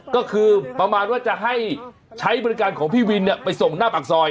ก็คือประมาณว่าจะให้ใช้บริการของพี่วินไปส่งหน้าปากซอย